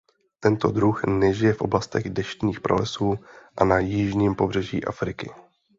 Tento druh nežije v oblastech deštných pralesů a na jižním pobřeží Afriky.